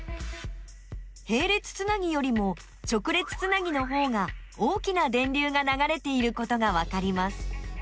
へい列つなぎよりも直列つなぎのほうが大きな電流がながれていることがわかります。